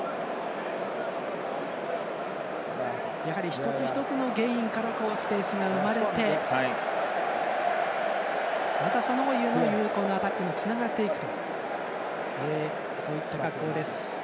一つ一つのゲインからスペースが生まれてそれが有効なアタックにつながっていくというそういった格好です。